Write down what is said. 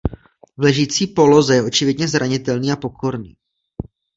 V ležící poloze je očividně zranitelný a pokorný.